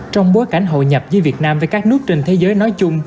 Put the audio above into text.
trong bối cảnh hội nhập giữa việt nam với các nước trên thế giới nói chung